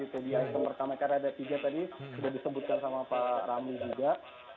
karena ada tiga tadi sudah disebutkan sama pak ramli juga